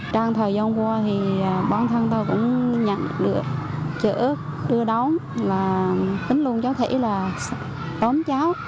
trong thời gian qua thì bọn thân tôi cũng nhận được chữ đưa đón là tính luôn cháu thị là tóm cháu